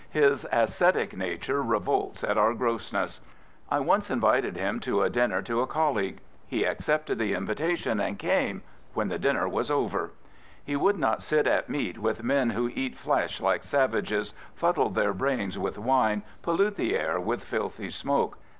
His ascetic nature revolts at our grossness. I once invited him to a dinner to a colleague. He accepted *7 Prophets, Priests, and Kings the invitation and came — when the dinner was over. He would not sit at meat with men who eat flesh like savages, fuddle their brains with wine, pollute the air with filthy smoke.